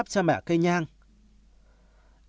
bây giờ em không cùng nhà với mọi người